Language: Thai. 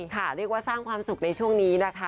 เรียกว่าสร้างความสุขในช่วงนี้นะคะ